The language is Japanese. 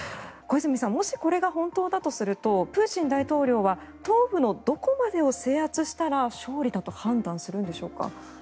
小泉さんもし、これが本当だとするとプーチン大統領は東部のどこまでを制圧したら勝利だと判断するんでしょうか。